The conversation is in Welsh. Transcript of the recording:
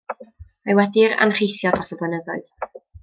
Mae wedi'i anrheithio dros y blynyddoedd.